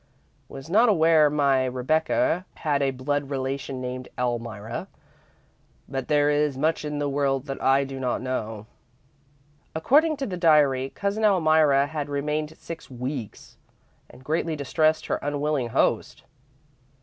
Was not aware my Rebecca had a blood relation named Elmira, but there is much in the world that I do not know." According to the diary, Cousin Elmira had remained six weeks and had greatly distressed her unwilling host.